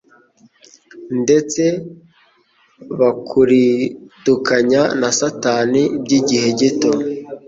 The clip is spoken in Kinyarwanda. ndetse bakuaridukanya na Satani by'.igihe gito,